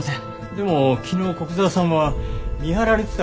でも昨日古久沢さんは見張られてたはずですよね？